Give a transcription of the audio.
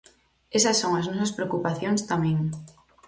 Esas son as nosas preocupacións tamén.